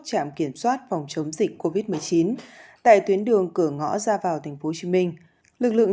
trạm kiểm soát phòng chống dịch covid một mươi chín tại tuyến đường cửa ngõ ra vào tp hcm lực lượng